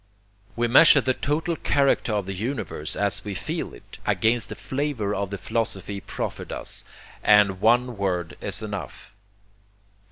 We measure the total character of the universe as we feel it, against the flavor of the philosophy proffered us, and one word is enough.